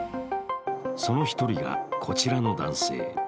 その１人がこちらの男性。